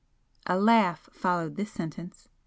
A laugh followed this sentence.